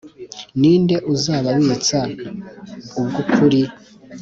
ni nde uzababitsa ubw’ukuri?